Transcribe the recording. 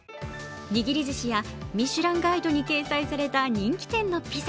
にぎりずしや、ミシュランガイドに掲載された人気店のピザ。